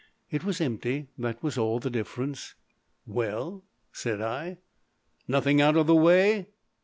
It was empty, that was all the difference. "Well?" said I. "Nothing out of the way?"